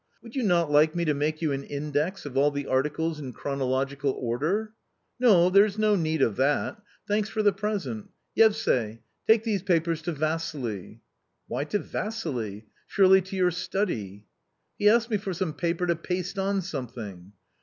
" Would you not like me to make you an index of all the articles in chronological order ?" "No, there's no need of that ... Thanks for the present. Yevsay ! take these papers to Vassily." " Why to Vassily ? surely to your study." " He asked me for some paper to paste on something.